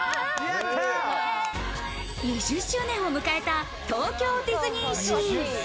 ２０周年を迎えた東京ディズニーシー。